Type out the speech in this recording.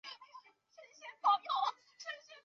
授度支部主事。